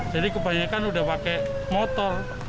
jadi kebanyakan udah pakai motor